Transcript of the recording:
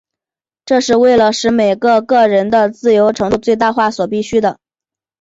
这是为了使每个个人的自由程度最大化所必需的。